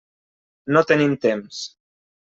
No tenim temps.